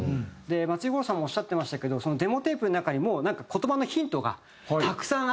で松井五郎さんもおっしゃってましたけどデモテープの中にもうなんか言葉のヒントがたくさんあって。